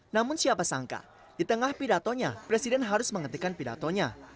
namun siapa sangka di tengah pidatonya presiden harus menghentikan pidatonya